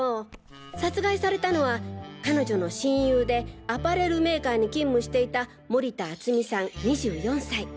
殺害されたのは彼女の親友でアパレルメーカーに勤務していた盛田敦実さん２４歳。